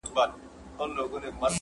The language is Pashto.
اوبه په ډانگ نه بېلېږي.